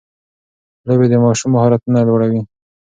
لوبې د ماشوم مهارتونه لوړوي.